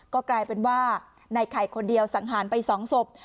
ก็กลายเป็นว่าในไข่คนเดียวสังหารไป๒ศพ